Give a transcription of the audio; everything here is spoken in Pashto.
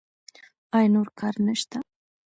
ایا نور کار نشته؟